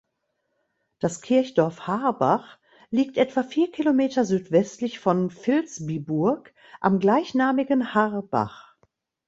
Das Kirchdorf Haarbach liegt etwa vier Kilometer südwestlich von Vilsbiburg am gleichnamigen Haarbach.